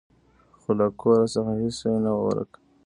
خو له کور څخه هیڅ شی نه و ورک.